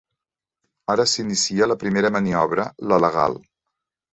Ara s'inicia la primera maniobra, la legal.